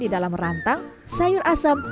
di dalam rantang sayur asam